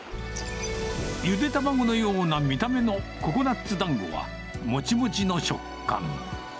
ゆで卵のような見た目のココナッツ団子は、もちもちの食感。